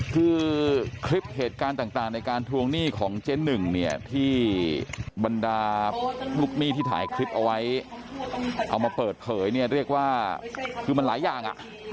คือคลิปเหตุการณ์ต่างในการทวงนี่ของเจนหนึ่งที่บรรดาลูกหนี้ที่ถ่ายคลิปเอาไว้เอามาเปิดเผยว่าคือมันละอย่าง